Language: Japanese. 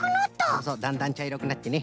そうそうだんだんちゃいろくなってね。